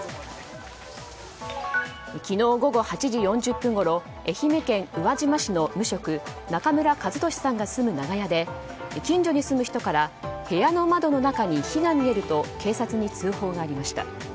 昨日午後８時４０分ごろ愛媛県宇和島市の無職、中村数利さんが住む長屋で近所に住む人から部屋の窓の中に火が見えると警察に通報がありました。